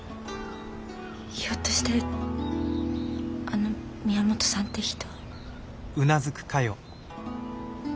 ひょっとしてあの宮本さんって人？